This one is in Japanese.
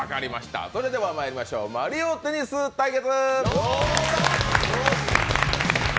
それではまいりましょう、「マリオテニス対決」。